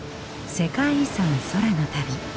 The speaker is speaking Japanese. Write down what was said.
「世界遺産空の旅」。